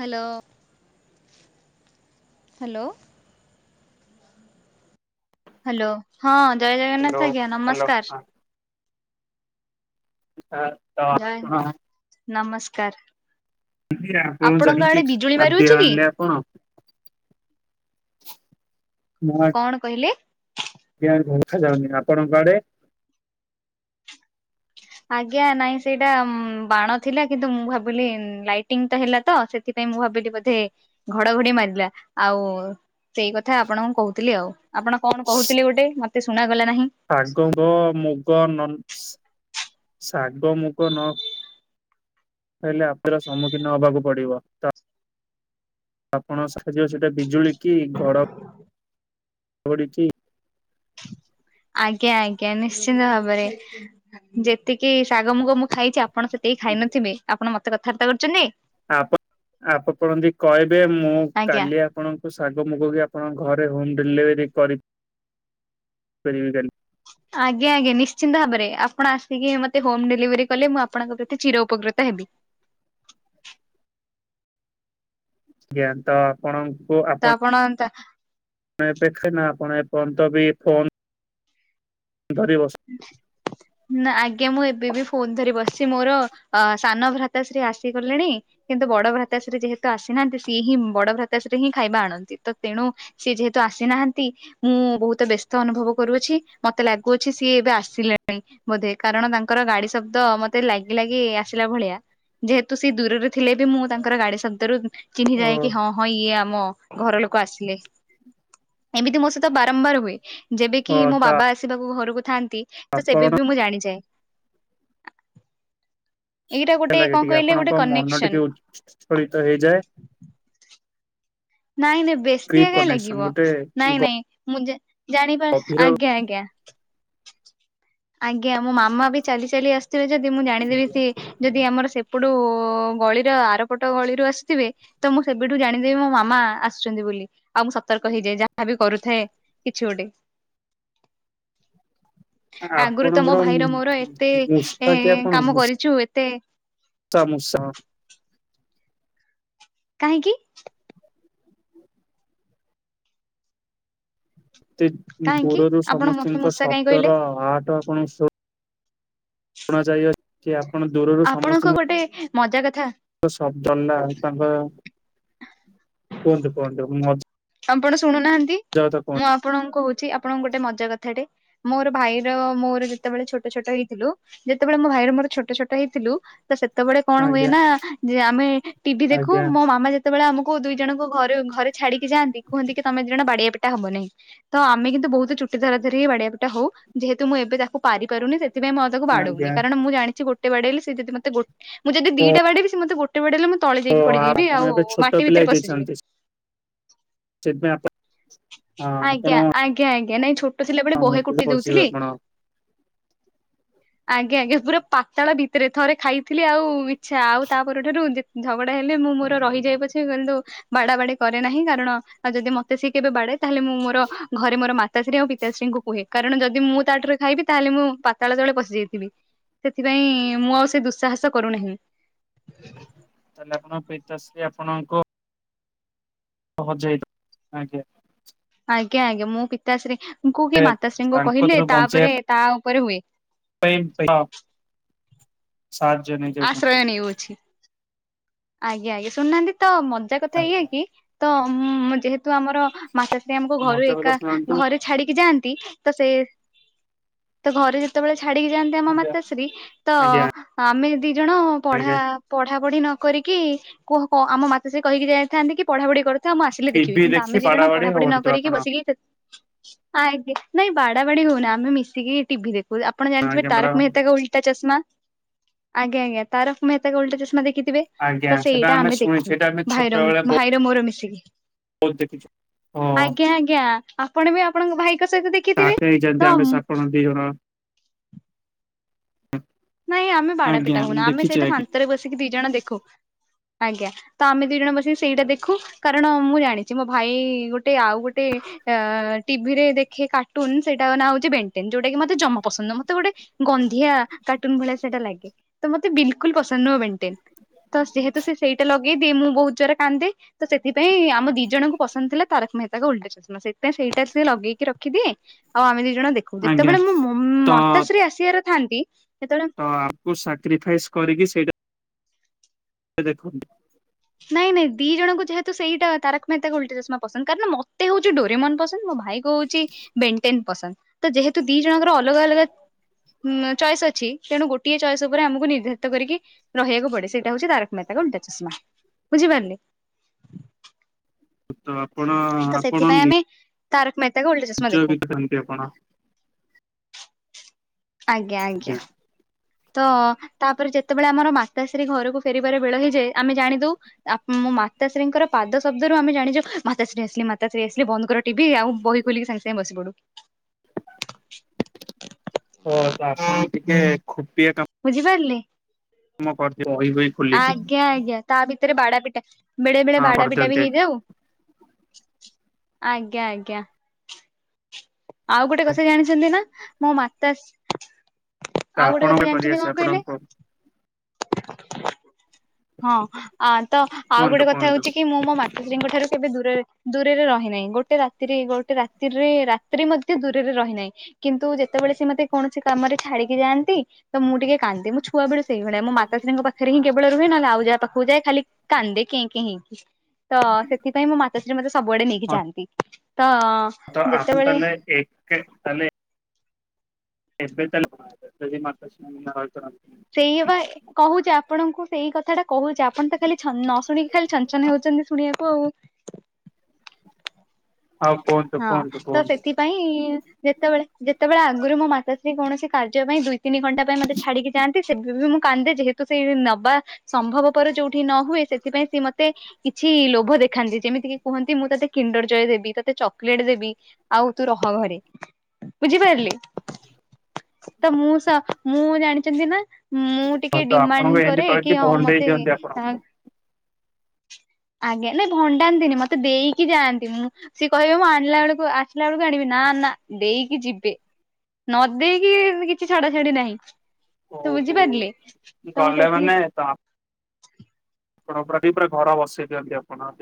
Hello hello. Hello, ହଁ ଜୟ hello Jagannath ଆଜ୍ଞା hello ନମସ୍କାର୍। ହଁ ଆଁ। [unintelligible] ନମସ୍କାର୍। ଦିଦି ଆପଣ ଜାଇଁକି ଖାଦ୍ୟ ମାରୁଛି କି? ଆଣିଲେ ଆପଣ? [unintelligible] କଣ କହିଲେ? [unintelligible] ଦେଖା ଯାଉନି, ଆପଣଙ୍କ ଆଡେ? ଆଜ୍ଞା ନାଇଁ ସେଇଟା ବାଣ ଥିଲା କିନ୍ତୁ ମୁଁ ଭାବିଲି ଲାଇଟିଂ ଟା ହେଲା ତ ସେ ଥିପାଇଁ ମୁଁ ଭାବିଲି ବୋଧେ ଘଡଘଡି ମାରିଲା, ଆଉ ସେଇ କଥା ଆପଣଙ୍କୁ କହୁଥିଲି ଆଉ, ଆପଣ କଣ କହୁଥିଲେ ଗୋଟେ ମତେ ଶୁଣାଗଲା ନାହିଁ। ଶାଗ [unintelligible] ମୁଗ ନ ଶାଗ ମୁଗ ନ ହେଲେ [unintelligible] ସମ୍ମୁଖୀନ ହବାକୁ ପଡିବ [unintelligible] ଆପଣ [unintelligible] ସେଟା ବିଜୁଳି କି ଘଡଘଡି କି ଆଜ୍ଞା, ଆଜ୍ଞା ନିଶ୍ଚିନ୍ତ ଭାବରେ ଯେତିକି ଶାଗ ମୁଗ ମୁଁ ଖାଇଛି ଆ ଆପଣ ସେ କେଇ ଖାଇନଥିବେ ଆପଣ ମୋତେ କଥାବାର୍ତ୍ତା କରୁଚନ୍ତି। ଆପଣ ଆପଣ ତ ଏମତି କହିବେ ମୁଁ ଆଜ୍ଞା କାଲି ଆ ଆପଣଙ୍କୁ ଶାଗ ମୁଗ ବି ଆପଣଙ୍କ ଘରେ ହୋମ୍ ଡେଲିଭେରି କରିପାରିବି [unintelligible] ଆଜ୍ଞା, ଆଜ୍ଞା ନିଶ୍ଚିନ୍ତ ଭାବରେ ଆପଣ ଆସିକି ମୋତେ ହୋମ୍ ଡେଲିଭରି କଲେ ମୁଁ ଆପଣଙ୍କ ପ୍ରତି ଚିର ଉପକୃତ ହେବି। ଜ୍ଞା ତ ଆପଣଙ୍କୁ ତ ଆପଣ ତା ଣ ଏବେ ଖାଇନ ଆପଣ ଏପର୍ଯ୍ୟନ୍ତ ବି ଫୋନ୍ ଧରି ବସ ହୁଁ। ନା ଆଜ୍ଞା ମୁଁ ଏବେ ବି ଫୋନ ଧରି ବସିଛି, ମୋର ଅ, ସାନ ଭ୍ରାତାଶ୍ରୀ ଆସିଗଲେଣି କିନ୍ତୁ ବଡ ଭ୍ରାତାଶ୍ରୀ ଯେହେତୁ ଆସିନାହାନ୍ତି ସିଏ ହିଁ ବଡ ଭ୍ରାତାଶ୍ରୀ ହିଁ ଖାଇବା ଆଣନ୍ତି। ତ ତେଣୁ ସିଏ ଯେହେତୁ ଆସିନାହାନ୍ତି ମୁଁ ବହୁତ ବ୍ୟସ୍ତ ଅନୁଭବ କରୁଅଛି। ମୋତେ ଲାଗୁଅ ଛି ସିଏ ଏବେ ଆସିଲାଣି ବୋଧେ କାରଣ ତାଙ୍କର ଗାଡି ଶବ୍ଦ ମୋତେ ଲାଗିଲାଗି ଆସିଲା ଭଳିଆ। ଯେହେତୁ ସେ ଦୂରରେ ଥିଲେ ବି ମୁଁ ତାଙ୍କର ଗାଡି ଶବ୍ଦରୁ ଉଁ, ଚିହ୍ନିଯାଏ ଓ କି ହଁ ହଁ ଇଏ ଆମ ଘର ଲୋକ ଆସିଲେ, ଏମିତି ମୋ ସହିତ ବାରମ୍ବାର ହୁଏ ଯେବେ କିି ହଁ ମୋ ତ ବାବା ଆସ ସିବାକୁ ଘରକୁ ଥାନ୍ତି ତ ସେବେ ଆପଣ ବି ମୁଁ ଜାଣିଯାଏ। ଏଇଟା ଗୋଟେ ହେଲା କି କଣ ଟିକେ କହିଲେ ଗୋଟେ ଆପଣଙ୍କ ମନ କନେକ୍ସନ ଟିକେ ଉଚ୍ଛଳିତ ହେଇଯାଏ। ନାଇଁ ଯେ କ୍ରିପ୍ ବେଶିଆ କାଇଁ କନେକ୍ସନ ଲାଗିବ? ଗୋଟେ ନାଇଁ ନାଇଁ ମୁଁ ଯେ ଜାଣି ପା ଗଭୀର ଆଜ୍ଞା, ଆଜ୍ଞା, ଆଜ୍ଞା ମୋ ମାମା ବି ଚାଲି ଚାଲି ଆସ ଥିବେ ଯଦି ମୁଁ ଜାଣିଦେବି ସିଏ ଯଦି ଆମର ସେପଟୁ ଗଳିର ଆରପଟ ଗଳିରୁ ଆସୁଥିବେ ତ ମୁଁ ସେବେଠୁ ଜାଣିଦେବି ମୋ ମା ମା ଆସୁଛନ୍ତି ବୋଲି, ଆଉ ମୁଁ ସତର୍କ ହେଇଯାଏ ଯାହାବି କରୁଥାଏ କିଛି ଗୋଟେ। ଆଗରୁ ତ ମୋ ଆପଣଙ୍କର ଭାଇର ମୋର ଏତେ ମୂଷା ଏଁ, କାମ କରିଛୁ ଏତେ ତୋମ ସହ କାହିଁକି? ତି ଉଁ, କାହିଁକି ଗୋରରୁ ଆପଣ ମତେ ସମସ୍ତଙ୍କ ମୂଷା କାହିଁ କହିଲେ ଶବ୍ଦର ଆଠ ଆପଣ ଶ ଆପଣ ଯାଇଅ କି ଆପଣ ଦୂରରୁ ଆପଣଙ୍କ ସମସ୍ତଙ୍କ ଗୋଟେ ମଜା କଥା ତ ସବ ଦଣ୍ଡା ତାଙ୍କ କୁହନ୍ତୁ କୁହନ୍ତୁ ମୋ ଆପଣ ଶୁଣୁନାହାନ୍ତି। ଯାଉ ତ କହ ମୁଁ ଆପଣଙ୍କୁ କହୁଛି ଆପଣ ଗୋଟେ ମଜା କଥାଟେ ମୋର ଭାଇର ମୋର ଯେତେବେଳେ ଛୋଟ ଛୋଟ ହେଇଥିଲୁ। ଯେତେବେଳେ ମୋ ଭାଇର ମୋର ଛୋଟ ଛୋଟ ହେଇଥିଲୁ। ତ ସେତେବେଳେ କଣ ହୁଏ ଆଜ୍ଞା ନା ଯେ ଆମେ ଟିଭି ଦେଖୁ, ଆଜ୍ଞା ମୋ ମାମା ଯେତେବେଳେ ଆମକୁ ଦୁଇ ଜଣଙ୍କୁ ଘରେ ଘରେ ଛାଡିକି ଯାଆନ୍ତି କୁହନ୍ତି କି ତୋମେ ଦି ଜଣ ବାଡିଆ ପିଟା ହବ ନାହିଁ। ତ ଆମେ କିନ୍ତୁ ବହୁତ ଚୁଟି ଧରା ଧରି ହେଇ ବାଡିଆ ପିଟା ହଉ। ଯେହେତୁ ମୁଁ ଏବେ ତାକୁ ପାରି ପାରୁନି ସେଥିପାଇଁ ମୁଁ ଆଉ ତାକୁ ବାଡଉନି ଆଜ୍ଞା କାରଣ ମୁଁ ଜାଣିଛି ଗୋଟେ ବାଡେଇଲେ ସିଏ ଯଦି ମୋତେ ମୁଁ ଯଦି ଦିଟା ଓ ବାଡେଇବି ସିଏ ମୋତ ଗୋ ଟେ ବାଡେଇଲେ ମୁଁ ତଳେ ଯାଇକି ପଡିଯିବି ଆପଣ ଆଉ ଏବେ ଛୋଟ ମାଟି ବି ପିଲା ସେଇଥିପାଇଁ ଆପ ଆଜ୍ଞା, ଆଜ୍ଞା, ଆଜ୍ଞା ନାଇଁ ଛୋଟ ଥିଲାବେଳେ ବହେ ଆପଣ କୁଟି ପଶିବେ ଦଉଥିଲି। ଆପଣ ଆଜ୍ଞା, ଆଜ୍ଞା ପୁରା ପାତାଳ ଭିତରେ ଥରେ ଖାଇଥିଲି, ଆଉ ଇଚ୍ଛା ଆଉ ତାପରଠାରୁ ଯେ ଝଗଡା ହେଲେ ମୁଁ ମୋର ରହିଯାଏ ପଛେ, କିନ୍ତୁ ବାଡା ବାଡି କରେ ନାହିଁ କାରଣ ଆଉ ଯଦି ମୋତେ ସି କେବେ ବାଡାଏ ତାହେଲେ ମୁଁ ମୋର ଘରେ ମୋର ମାତାଶ୍ରୀ ଆଉ ପିତାଶ୍ରୀଙ୍କୁ କୁହେ, କାରଣ ଯଦି ମୁଁ ତା ଠାରୁ ଖାଇବି ତାହେଲେ ମୁଁ ପା ତାଳେ ତଳେ ପଶି ଯାଇଥିବି ସେଥିପାଇଁ ମୁଁ ଆଉ ସେଇ ଦୁଃସାହସ କରୁନାହିଁ। ତାହେଲେ ଆପଣଙ୍କ ପିତଶ୍ରୀ ଆପଣଙ୍କୁ ପହଞ୍ଚ ଯାଇଥା ଆଜ୍ଞା। ଆଜ୍ଞା ଆଜ୍ଞା ମୁଁ ପିତାଶ୍ରୀ କି ମାତାଶ୍ରୀଙ୍କୁ କହିଲେ ତାପରେ ତା ଉପରେ ହୁଏ। ସାହା ଜ ନେଇଯାଉଛନ୍ତି [unintelligible] ଅଛି [unintelligible] ଆଜ୍ଞା ଆଜ୍ଞା ଶୁଣୁନାହାନ୍ତି ତ ମଜା କଥା ଇଏ ଆଜ୍ଞା କି ତ ଯେହେତୁ ଆମର ମାତାଶ୍ରୀ ଆମକୁ ଘରୁ ମଜା କଥା ଏକା ଶୁଣନ୍ତୁ ଘରେ ଛାଡିକି ଯାଆନ୍ତି ତ ସେ ତ ଘରେ ସେତେବେଳେ ଛାଡିକି ଯାଆନ୍ତି ଆମ ଆଜ୍ଞା ମାତାଶ୍ରୀ ତ ଆଜ୍ଞା। ଆମେ ଦି ଜଣ ଆଜ୍ଞା ପଢା ପଢା ପଢି ନ କରିକି କୁହ ଆମ ମାତା ଶ୍ରୀ କହିକି ଯାଇଥାନ୍ତି କି ପଢାପଢି କରି ତ ଆଁ ଆସିଲେ ଦେଖିବି ଟିଭି କିନ୍ତୁ ଦେଖି ଆମେ ଦି ଜଣ ବାଡାବାଡି ପଢାପଢି ନ ହୁଅନ୍ତୁ କରିକି ଆପଣ ବସିକି ଆଜ୍ଞା ନାଇଁ ବାଡା ବାଡି ହଉନ ଆମେ ମିଶିକି ଟିଭି ଦେଖୁ ଆପଣ ଜାଣିଥିବେ ଆଜ୍ଞା ତାରକ ମ୍ୟାଡାମ। ମେହେତାକାାଲା ଚଷମା ଆଜ୍ଞା ଆଜ୍ଞା ତାରକ ମଁେତାକୁ ଓଲଟା ଚଷମା ଦେଖିଥିବେ? ଆଜ୍ଞା ତ ସେଟା ସେଇଟା ଆମେ ଶୁଣିଛୁ ଦେଖୁ ସେଇଟା ଆମେ ଭାଇର ଛୋଟବେଳେ ଭାଇର ମୋର ମିଶିକି। ବହୁତ ଦେଖିଛୁ। ଓ ଆଜ୍ଞା ଆଜ୍ଞା ଆପଣ ବି ଆପଣଙ୍କ ଭାଇଙ୍କ ସହିତ ଦେଖ ତାହାଠି ଜନ୍ି ହମଶା ପଢନ୍ତିଣ [unintelligible] ହଁ [inaudible] ନାଇଁ ଆମେ ବାଡାପିଠା ହଉନା ଆମେ ସେଇଟା ଶାନ୍ତରେ ବସିକି ଦି ଜଣ ଦେଖୁ ଆଜ୍ଞା। ତ ଆମେ ଦି ଜଣ ବସିକି ସେଇଟା ଦେଖୁ କାରଣ ମୁଁ ଜାଣିଛି ମୋ ଭାଇ ଗୋଟେ ଆଉ ଗୋଟେ ଅ ଟିଭିରେ ଦେଖେ କାର୍ଟୁନ ସେଇଟା ନାଁ ହଉଛି ବେଣ୍ଟେନ ଯୋଉଟା କି ମତେ ଜମା ପସନ୍ଦ ମତେ ଗୋଟେ ଗନ୍ଧିଆ କାର୍ଟୁନ ଭଳିଆ ସେଇଟା ଲାଗେ ତ ମୋତେ ବିଲକୁଲ ପସନ୍ଦ ନୁହଁ ବେଣ୍ଟେନ ତ ଯେହେତୁ ସେଇଟା ଲଗେଇିଏ ମୁଁ ବହୁତ ଜୋର କାନ୍ଦେ ତ ସେଥିପାଇ ଆମ ଦି ଜଣଙ୍କୁ ପସନ୍ଦ ତାରକ ମେହେତାଙ୍କ ଓଲଟା ଚାଷ ସେଥିପାଇଁ ସେଇଟା ସି ଲଗେଇି ରଖିଦିଏ ଆଉ ଆମେ ଦିଇ ଜଣ ଦେଖୁ। ଆଜ୍ଞା। ଯେତେବେଳେ ମୁଁ ତ ମା ତାଶ୍ରୀ ଆସିବାର ଥାନ୍ତି ସେତେବେଳେ ଆମ ସକ୍ରୀଫାଈଜ କରିକି ସେଇଟା ସେ ଦେଖ [inaudible] ନାଇଁ ନାଇଁ ଦି ଜଣଙ୍କୁ ଯେହେତୁ ସେଇଟ ତାରକ ମେତାାଲଟା ଚଷମା ପସନ୍ଦ କାରଣ ମତେ ହଉ ଡୋରେ ମନ ପସନ୍ଦ ମୋ ଭାଇ ହେଉଛି ବେଣ୍ଟେନ ପସନ୍ଦ ତ ଯେହେତୁ ଦି ଜଣଙ୍କର ଅଲଗା ଅଲଗା ଉଁ ଚଏସ ଅଛି ତେଣୁ ଗୋଟିଏ ଚଏସ ଉପରେ ଆମକୁ ନିର୍ଧାରିତ କରିକି ରହିବାକୁ ପଡେ ସେଇଟା ହଉଛି ତାରକ ମେହେତା କା ଓଲଟା ଚଷମା। ବୁଝିପାରିଲେ। ତ ଆପଣ - ତ ସେଥିପାଇଁ ଆମେ ତାରକ ମେହେତା କା ଓଲଟା ଚଷମା - ଯୋଉ ଦେଖୁଛନ୍ତି ଆପଣ। ଆଜ୍ଞା ଆଜ୍ଞା। ତ ତାପରେ ଯେତେବେଳେ ଆମର ମାତାଶ୍ରୀ ଘରକୁ ଫେରିବାରେ ବେଳ ହେଇଯାଏ ଆମେ ଜାଣି ଦଉ [inaudible] ମୋ ମାତାଶ୍ରୀଙ୍କର ପାଦ ଶବ୍ଦରୁ ଆମେ ଜାଣିଯାଉ ମାତାଶ୍ରୀ ଆସିଲେ ମାତାଶ୍ରୀ ଆସିଲେ ବନ୍ଦ କର - ଟଭି ଆଉ ବହି ଖୋଲିକି ସେମିତି ବସି ପଡୁ। ହଁ ଆସିକି ଟିକେ ଖୁପିଆ କାମ - [unintelligible] ବୁଝିପାରିଲେ। [unintelligible] କରିଛି ରହିବେ - ଆଜ୍ଞା ଆଜ୍ଞା ତା ଭିତରେ ବାଡା ପିଟା ବେଳେ ବେଳେ ହଁ ବାଡା ପିଟା ବି କରିଦିଅନ୍ତେ ହେଇଯାଉ। ଆଜ୍ଞା ଆଜ୍ଞା। ଆଉ ଗୋଟେ କଥା ଜାଣିଛନ୍ତି ନା ମୋ ମାତାଶ୍ରୀ ତ ଆଉ ଆପଣ ଗୋଟେ କଥା କରି ଜାଣିଛନ୍ତି ଆସେ କଣ କହିଲେ? ଆପଣଙ୍କ ହଁ ଆ ତ ଆଉ କୁହନ୍ତୁ ଗୋଟେ କଥା କୁହନ୍ତୁ ହଉଛି କି ମୁଁ ମୋ ମା ଶ୍ରୀଙ୍କ ଠାରୁ କେବେ ଦୂର ଦୂରରେ ରହିନାହିଁ ଗୋଟେ ରାତିରେ ଗୋଟେ ରାତିରେ ‌ ରାତିରେ ମଧ୍ୟ ଦୂରରେ ରହିନାହିଁ। କିନ୍ତୁ ଯେତେବେଳେ ସେ ମତେ କୌଣସି କାମରେ ଛାଡିକି ଯାଆନ୍ତି ତ ମୁଁ ଟିକେ କାନ୍ଦେ ମୁଁ ଛୁ ଛୁଆବେଳେ ସେଇଭଳି ମୋ ମାତାଶ୍ରୀଙ୍କ ପାଖରେ ହିଁ କେବଳ ରୁହେ ନ ହେଲେ ଆଉଜାହା ପାଖକୁ ଯାଏ ଖାଲି କାନ୍ଦେ କେଁ କେଁ ହେଇକି ତ ସେଥିପାଇଁ ମୁଁ ମା ମାତାଶ୍ରୀ ମତେ ସବୁଆଡେ ନେଇକି ହଁ ଯାଆନ୍ତି ତ ତ ଆପଣ ଯେତେବେଳେ ତାହେଲେ ଏକ [unintelligible] ଏବେ ତାହେଲେ କଣ ଏବେ ତ ସେଇ ମାତଶ୍ରୀ [unintelligible] ସେଇଆବା କହୁଛି ଆପଣଙ୍କୁ ସେଇ କଥା ଟା କହୁଛି ଆପଣ ତ ଖାଲି ଛନ ନ ଶୁଣିକି ଖାଲି ଛନ ଛନ ହେଉଛନ୍ତି ଶୁଣିବାକୁ ଆଉ। ହଉ କୁହନ୍ତୁ ହଁ କୁହନ୍ତୁ ତ କୁହନ୍ତୁ ସେଥି ପାଇଁ ଯେତେବେଳେ ଯେତେବେଳେ ଆଗରୁ ମୋ ମାତାଶ୍ରୀ କୌଣସି କାର୍ଯ୍ୟ ପାଇଁ ଦୁଇ ତିନି ଘଣ୍ଟା ପାଇଁ ମତେ ଛଡିକି ଯାନ୍ତି ସେବେ ବି ମୁଁ କାନ୍ଦେ ଯେହେତୁ ସେଇ ନବା ସମ୍ଭବପର ଯୋଉଠି ନ ହୁଏ ସେଥିପାଇଁ ସିଏ ମତେ କିଛି ଲୋଭ ଦେଖାନ୍ତି ଯେମିତି କିି କୁହନ୍ତି ମୁଁ ତତେ କିଣ୍ଡର ଜୟେ ଦେବି। ତତେ ଚକୋଲେଟ ଦେବି ଆଉ ତୁ ରହ ଘରେ। ବୁଝିପାରିଲେ ତ ମୁଁ ସ ମୁଁ ଜାଣିଛନ୍ତି ନା ମୁଁ ହଁ ଟିକେ ତ ଆପଣଙ୍କୁ ଡିମାଣ୍ଡ ଏମିତି କରେ କହିକି କି ହଉ ଭଣ୍ଡେଇ ମତେ ଦିଅନ୍ତି ଆପଣଙ୍କୁ ଆଜ୍ଞା ନାଇଁ ଭଣ୍ଡାନ୍ତିନି ମତେ ଦେଇକି ଯାଆନ୍ତି ମୁଁ ସିଏ କହିବେ ମୁଁ ଆଣିଲା ବେଳକୁ ଆସିଲା ବେଳକୁ ଆଣିବି ନା ନା ଦେଇକି ଯିବେ। ନ ଦେଇକି କିଛି ଛଡା ଛାଡି ନାହିଁ ତ ଓହୋ ବୁଝିପାରିଲେ ତ ଗଲେ ସେଇଠି ମାନେ ତ ଆପଣ ପୁରାଟିକେ ପୁରା ଘର ବସେଇ ଦିଅନ୍ତି ଆପଣ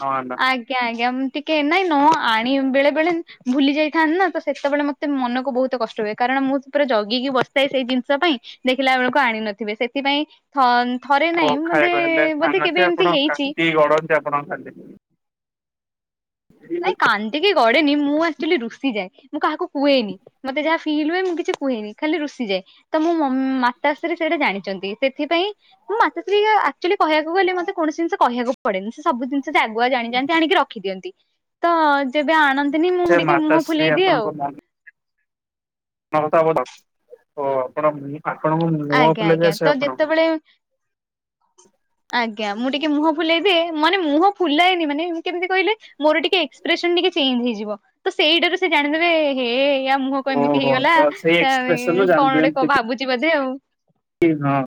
ହଁ। ଆଜ୍ଞା ଆଜ୍ଞା ମୁ ଟିକେ ନାଇଁ ନ ଆଣି ବେଳେ ବେଳେ ଭୁଲି ଯାଇଥାନ୍ତି ନା ତ ସେତେବେଳେ ମତେ ତ ମନକୁ ବହୁତ କଷ୍ଟ ହୁଏ କାରଣ ମୁଁ ପୁରା ଜଗିକି ବସିଥାଏ ସେଇ ଜିନିଷ ପାଇଁ। ଦେଖିଲା ବେଳକୁ ଆଣି ନଥିବେ ସେଥିପାଇଁ ଥନ୍ ଥରେ ଓ ନାହିଁ ବୋଧେ ଖାଇବାକୁ ବୋଧେ କେବେ ଏମିତି ହେଇଛି। ସେ ଆପଣ [inaudible] ନାଇଁ କାନ୍ଦିକି ଗଡେନି ମୁଁ ଆକ୍ଚୁଲି ରୁଷି ଯାଏ ମୁଁ କାହାକୁ କୁହେନି। ମତେ ଯାହା ଫିଲ୍ ହୁଏ ମୁଁ କିଛି କୁହେନି ଖଲି ରୁଷିଯାଏ। ତ ମୁଁ ମୋମଂ ମାତାଶ୍ରୀ ସେଇଟା ଜାଣିଛନ୍ତି ସେଥିପାଇଁ ମୁଁ ମାତାଶ୍ରୀ ଆକ୍ଚୁଆଲି କହିୟାକୁ ଗଲେ ମତେ କୌଣସି ଜିନିଷ କହିୟାକୁ ପଡେନି ସେ ସବୁ ଜିନି ସେତ ଆଗୁଆ ଜାଣିଯାନ୍ତି ଆଣିକି ରଖିଦିଅନ୍ତି ତ ଯେବେ ଆଣନ୍ତିନି ସେ ମୁଁଁ ଟିକେ ମୁହଁ ମାତାଶ୍ରୀ ଫୁଲେଇ ଦିଏ ଆଉ। ନହେଲେ ତ ଆପଣ ଆପଣଙ୍କ ମୁହଁ ଆଜ୍ଞା ଆଜ୍ଞା ଫୁଲେଇବେ ତ ସେ ଆପଣଙ୍କୁ ଯେତେବେଳେ ଆଜ୍ଞା ମୁଁ ଟିକେ ମୁହଁ ଫୁଲେଇଦିଏ ମାନେ ମୁହଁ ଫୁଲାଏନି ମାନେ ମୁ କେମିତି କହିଲେ ମୋର ଟିକେ ଏକ୍ସପ୍ରେସନ ଟିକେ ଚେଞ୍ଜ ହେଇଯିବ ତ ସେଇଟାରୁ ସେ ଜାଣିଦେବେ ଏ ହେ ୟା ମୁହଁ ଏମିତି ଓହୋ ହେଇଗଲା ସେଇ ତ ଏକ୍ସପ୍ରେସନ ରୁ ଜାଣି କଣ ଗୋଟେ ଦିଅନ୍ତି ଭାବୁଛି ବୋଧେ ଆଉ। କି ହଁ।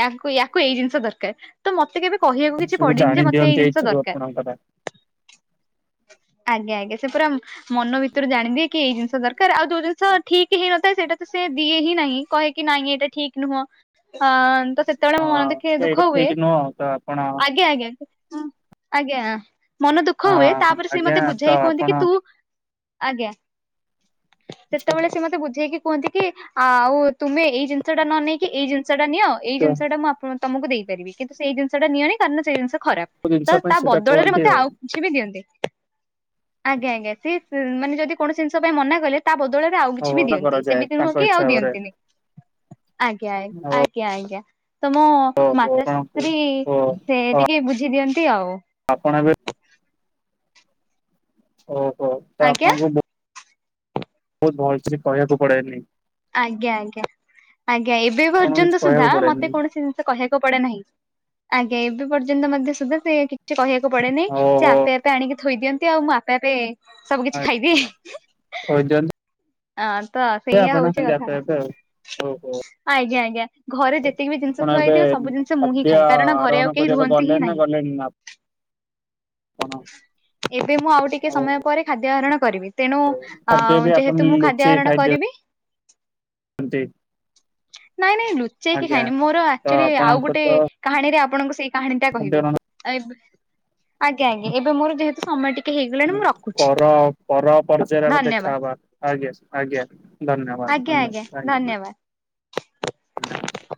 ୟାକୁ ୟାକୁ ଏଇ ଜିନିଷ ଦରକାର ତ ମତେ କେବେ କହିବାକୁ କିଛି ସବୁ ପଡିନି ଯେ ଜାଣି ମତେ ଏଇ ଦିଅନ୍ତି ଜିନିଷ ଏଇଥିରୁ ଦରକାର। ଆପଣଙ୍କର ଆଜ୍ଞା ଆଜ୍ଞା ସେ ପୁରା ମନ ଭିତରୁ ଜାଣିଦିଏ କି ଏଇ ଜିନିଷ ଦରକାର ଆଉ ଯୋଉ ଜିନିଷ ଠିକ୍ ହେଇ ନଥା ସେଇଟା ତ ସେ ଦିଏ ହିଁ କହେ କିି ନାଇଁ ଏ ଠିକ ନୁ ହ ତ ସେ ସେତେବେଳେ ମୋ ମନ ଟିକେ ହଁ ଏଇଟା ଦୁଃଖ ହୁଏ ଠିକ ନୁହଁ ତ ଆପଣ ହଁ ଆଜ୍ଞା ଆଜ୍ଞା ଆଜ୍ଞା। ମନ ଦୁଃଖ ହୁଏ, ତାପରେ ସେ ଆଜ୍ଞା ମତେ ତ ବୁଝେଇ କୁହନ୍ତି ଆପଣ କି ତୁ ଆଜ୍ଞା, ସେତେବେଳେ କୋଉ ସେ ମତେ ବୁଝେଇକି କୁହନ୍ତି କି ଆ-ଆଉ ତୁମେ ଏଇ ଜିନ୍ ଷଟା ନ ନେଇକି ଏଇ ଜିନିଷଟା ନିଅ ଏଇ ଜିନିଷଟା ମୁଁ ଆପଣଙ୍କୁ ତମକୁ ଦେଇପାରିବି, କିନ୍ତୁ ସେଇ ଜିନିଷଟା ନିଅନି କାରଣ ସେଇ ଜିନିଷ ଖରାପ, ତ ଜିନିଷ ପାଇଁ ତା ସେଇଟା ବଦଳରେ କୁହନ୍ତି ମତେ ଆଉ ବୁଝ ବିି ଦିଅନ୍ତି, ଆଜ୍ଞା-ଆଜ୍ଞା ସେ ମାନେ ଯଦି କୌଣସି ଜିନିଷ ପାଇଁ ମନା କଲେ ତା ବଦଳରେ ଆଉ କିଛି ବି ହଉ ଦିଅନ୍ତି କରାଯାଏ ସେମିତି ନୁହଁ ତାଙ୍କ କି ଆଉ ଇଚ୍ଛା ଭାବରେ ଦିଅନ୍ତିନି। ଆଜ୍ଞା-ଆ ଓ ଆଜ୍ଞା-ଆଜ୍ଞା ତମ ଓହୋ ଆପଣଙ୍କୁ ମାତାଶ୍ରୀ ଓ ସେ ଟିକେ ବୁଝି ଦିଅନ୍ତି ଆଉ। ଆପଣ ଏବେ ଓହୋଃ ତ ଆଜ୍ଞା ଆପଣଙ୍କୁ ବହୁ, ବହୁତ୍ ଭଲସେ କହିବାକୁ ପଡେନି। ଆଜ୍ଞା-ଆଜ୍ଞା ଆଜ୍ଞା, ଏବେ ଆପଣଙ୍କୁ କିଛି ପର୍ଯ୍ୟନ୍ତ ସୁଦ୍ଧା କହିବାକୁ ପଡେନି ମତେ କୌଣସି‌ ଜିନ୍ ସେ କହିବାକୁ ପଡେ ନାହିଁ, ଆଜ୍ଞା ଏବେ ପର୍ଯ୍ୟନ୍ତ ମଧ୍ୟ ସୁଦ୍ଧା ସେ କିଛି କହିବାକୁ କୁ ପଡେ ନାଇଁ, ସେ ଓହୋ ଆପେ ଆପେ ଆଣିକି ଥୋଇ ଦିଅନ୍ତି ଆଉ ମୁଁ ଆପେ ଆପେ ସବୁ କିଛି ଖାଇଦିଏ। ଥୋଇଦିଅନ୍ତି ଅଁ ତ ସେଇଆା ଆପଣ ହଉଚି ସେମିତି କଥା। ଆପେ ଆପେ ଆଉ ଓହୋ ଆଜ୍ଞା-ଆଜ୍ଞା, ଘରେ ଯେତିକି ବି ଜିନିଷ ଆପଣ ଥୁଆ ଏବେ ହେଇଥିବ ସବୁ ଜିନିଷ ମୁଁ ହିଁ ଖାଦ୍ୟ ଖାଏ କାରଣ ଘରେ ଆରୋହଣ ଆଉ କେହି କରିବାକୁ ରୁହନ୍ତି ହିଁ ଗଲେଣି ନା ନାହିଁ। ଗଲେଣି ନା ଆପଣ? ଏବେ ମୁଁ ଆଉ ଟିକେ ସମୟ ପରେ ଖାଦ୍ୟ ଆହରଣ କରିବି, ତେଣୁ ଆ ଖାଦ୍ୟ ବି ଆପଣ ଯେହେତୁ ମୁଁ ଖାଦ୍ୟ ଲୁଚେଇ ଆହରଣ ଖାଇଦିଅନ୍ତି କରିବି ନାଇଁ-ନାଇଁ ଲୁଚେଇକି ଆଜ୍ଞା ଖାଏନି ମୋର ତ ଆକ୍ଚୁଆଲି ଆଉ ଆପଣଙ୍କ ଗୋଟେ ତ କାହାଣୀରେ ଆପଣଙ୍କୁ ସେଇ କାହାଣୀଟା କହିବି, ଆଉ ଏବେ, ଆଜ୍ଞା-ଆଜ୍ଞା ଏବେ ମୋର ଯେହେତୁ ସମୟ ଟିକ୍ ପର, ପର ପର୍ଯ୍ୟାୟରେ ଆମେ ଧନ୍ୟବାଦ ଦେଖା ହେବା ଆଜ୍ଞା-ଆଜ୍ଞା। ଧନ୍ୟବାଦ, ଆଜ୍ଞା ଧନ୍ୟ, ଆଜ୍ଞା ଥ୍ୟାଙ୍କ୍ ୟୁ ମ୍ୟାମ୍। ଧନ୍ୟବାଦ। ଧନ୍ୟବାଦ।